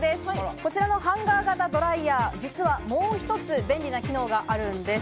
こちらのハンガー型ドライヤー、実はもう一つ便利な機能があるんです。